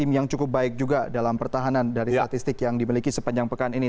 tim yang cukup baik juga dalam pertahanan dari statistik yang dimiliki sepanjang pekan ini